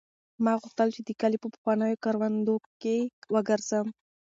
ما غوښتل چې د کلي په پخوانیو کروندو کې وګرځم.